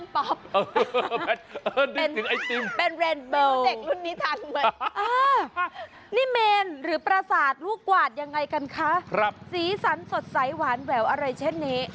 พัตต์ด้นป๊อบนึกถึงไอศติมเป็นเรนโบเป็นเด็กรุ่นนี้ทัน